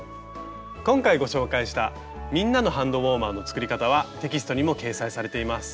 今回ご紹介した「みんなのハンドウォーマー」の作り方はテキストにも掲載されています。